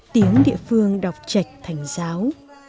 tiếng địa phương đọc chạch thành giáo